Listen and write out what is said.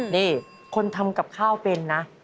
นี่คนทำกับข้าวเป็นนะ